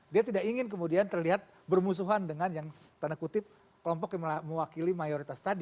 dia tidak ingin kemudian terlihat bermusuhan dengan yang tanda kutip kelompok yang mewakili mayoritas tadi